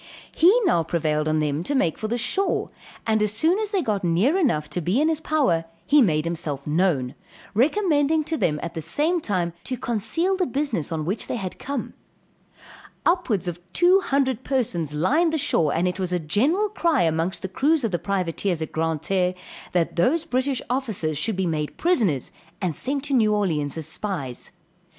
He prevailed on them to make for the shore, and as soon as they got near enough to be in his power, he made himself known, recommending to them at the same time to conceal the business on which they had come. Upwards of two hundred persons lined the shore, and it was a general cry amongst the crews of the privateers at Grand Terre, that those British officers should be made prisoners and sent to New Orleans as spies.